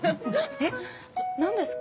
えっ何ですか？